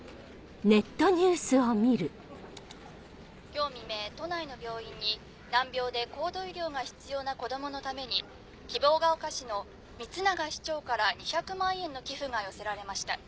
今日未明都内の病院に難病で高度医療が必要な子供のために希望ヶ丘市の光長市長から２００万円の寄付が寄せられました。